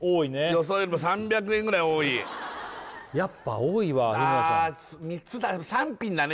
予想よりも３００円ぐらい多い・やっぱ多いわ日村さん３つだ３品だね